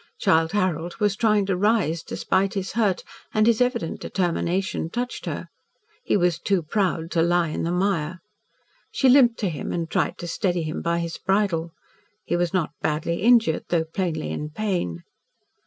Childe Harold was trying to rise, despite his hurt, and his evident determination touched her. He was too proud to lie in the mire. She limped to him, and tried to steady him by his bridle. He was not badly injured, though plainly in pain.